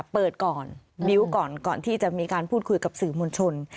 เปิดก่อนบิวต์ก่อนก่อนที่จะมีการพูดคุยกับสื่อมวลชน